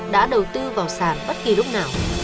đã đầu tư vào sàn bất kỳ lúc nào